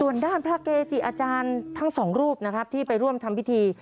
ส่วนด้านพระเกจิอาจารย์ทั้งสองรูปนะครับที่ไปร่วมทำพิธี